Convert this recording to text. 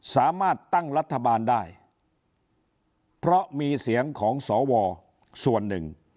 สามารถตั้งรัฐบาลได้เพราะมีเสียงของสวส่วนหนึ่ง